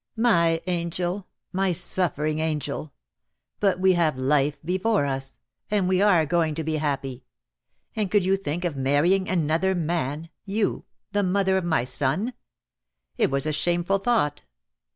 "My angel! My suffering angel! But we have life before us; and we are going to be happy. And could you think of marrying another man — you, the mother of my son? It was a shameful thought."